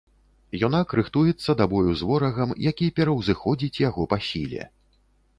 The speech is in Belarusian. Юнак рыхтуецца да бою з ворагам, які пераўзыходзіць яго па сіле.